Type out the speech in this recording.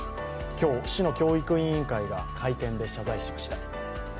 今日、市の教育委員会が会見で謝罪しました。